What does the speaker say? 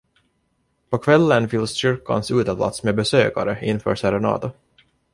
På kvällen fylls kyrkans uteplats med besökare inför Serenata.